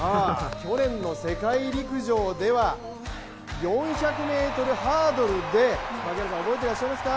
去年の世界陸上では４００ｍハードルで槙原さん、覚えていらっしゃいますか？